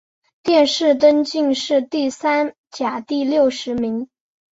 殿试登进士第三甲第六十名。